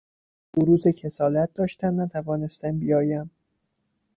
بروز کسالت داشتم نتوانستم بیابم